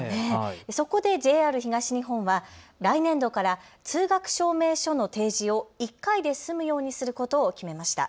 そこでＪＲ東日本は来年度から通学証明書の提示を１回で済むようにすることを決めました。